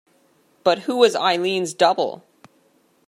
But who was Eileen's double.